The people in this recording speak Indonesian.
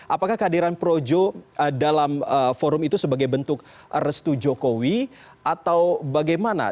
apakah kehadiran projo dalam forum itu sebagai bentuk restu jokowi atau bagaimana